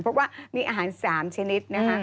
เพราะว่ามีอาหาร๓ชนิดนะคะ